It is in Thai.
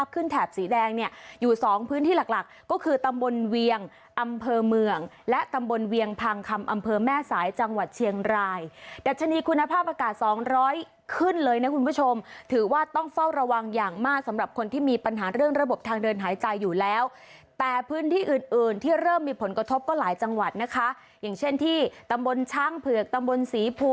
แถบสีแดงเนี่ยอยู่สองพื้นที่หลักหลักก็คือตำบลเวียงอำเภอเมืองและตำบลเวียงพังคำอำเภอแม่สายจังหวัดเชียงรายดัชนีคุณภาพอากาศสองร้อยขึ้นเลยนะคุณผู้ชมถือว่าต้องเฝ้าระวังอย่างมากสำหรับคนที่มีปัญหาเรื่องระบบทางเดินหายใจอยู่แล้วแต่พื้นที่อื่นอื่นที่เริ่มมีผลกระทบก็หลายจังหวัดนะคะอย่างเช่นที่ตำบลช้างเผือกตำบลศรีภู